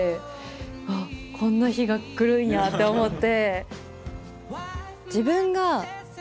あっこんな日が来るんやって思って。